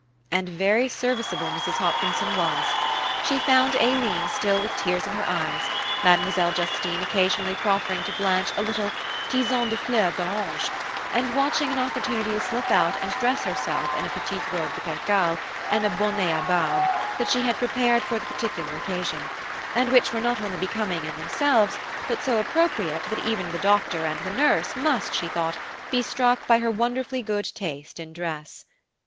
And very serviceable Mrs. Hopkinson was. She found Aileen still with tears in her eyes, Mademoiselle Justine occasionally proffering to Blanche a little tisane de fleur d'orange, and watching an opportunity to slip out and dress herself in a petite robe de percale, and a bonnet à barbes, that she had prepared for the particular occasion; and which were not only becoming in themselves, but so appropriate that even the Doctor and the nurse must, she thought, be struck by her wonderfully good taste in dress.